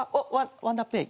ワンダーペーイ！